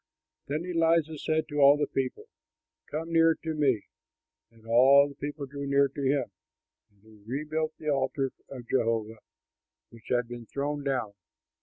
Then Elijah said to all the people, "Come near to me." And all the people drew near to him, and he rebuilt the altar of Jehovah which had been thrown down.